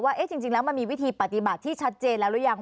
ว่าจริงแล้วมันมีวิธีปฏิบัติที่ชัดเจนแล้วหรือยัง